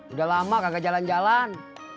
udah lama kagak jalan jalan